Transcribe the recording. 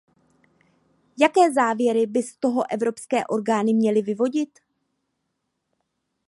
Jaké závěry by z toho evropské orgány měly vyvodit?